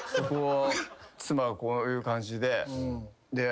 妻がこういう感じで。